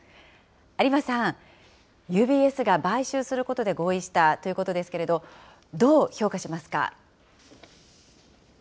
有馬さん、ＵＢＳが買収することで合意したということですけれども、どう評価しますか。